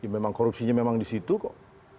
memang korupsinya memang di situ kok